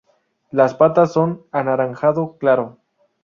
Las patas son anaranjado claro.